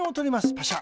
パシャ。